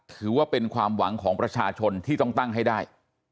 ถือว่าเป็นความหวังของประชาชนที่ต้องตั้งให้ได้